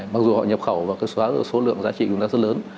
mặc dù họ nhập khẩu và xóa số lượng giá trị của chúng ta rất lớn